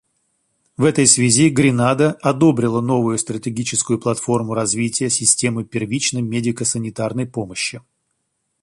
В этой связи Гренада одобрила новую стратегическую платформу развития системы первичной медико-санитарной помощи.